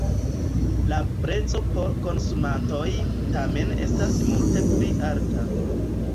La prezo por konsumantoj tamen estas multe pli alta.